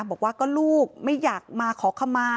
บอกว่าก็ลูกไม่อยากมาขอขมา